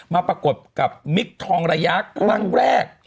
มาปรากฏกับมิกทองระยะบังแรก